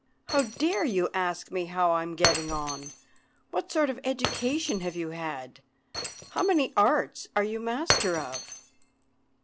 How dare you ask me how I am getting on? What sort of education have you had? How many arts are you master of?"